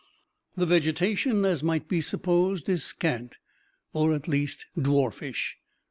The vegetation, as might be supposed, is scant, or at least dwarfish.